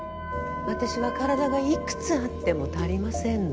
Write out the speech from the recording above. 私は体が幾つあっても足りませんの。